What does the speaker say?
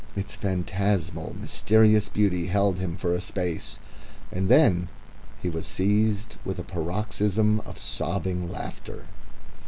Its phantasmal, mysterious beauty held him for a space, and then he was seized with a paroxysm of sobbing laughter...